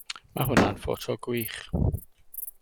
Mae hwnna'n ffoto gwych.